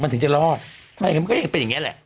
มันถึงจะรอดมันก็จะเป็นอย่างเงี้ยแหละ